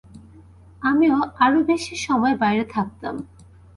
আমি আরও বেশি সময় বাইরে থাকতাম।